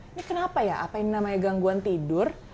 ini kenapa ya apa yang namanya gangguan tidur